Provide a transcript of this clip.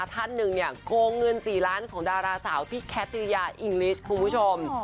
ท่านหนึ่งเนี่ยโกงเงิน๔ล้านของดาราสาวพี่แคทริยาอิงลิชคุณผู้ชม